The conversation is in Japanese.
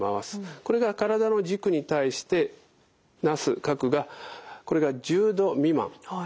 これが体の軸に対してなす角がこれが１０度未満。